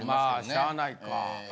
まあしゃあないか。